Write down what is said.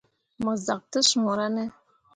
Mo zak te suura ne.